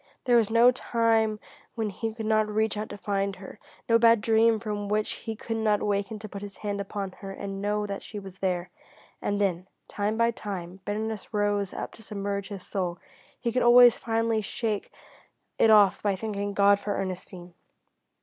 There was no time when he could not reach out to find her, no bad dream from which he could not awaken to put his hand upon her and know that she was there. And when, time after time, bitterness rose up to submerge his soul, he could always finally shake it off by thanking God for Ernestine.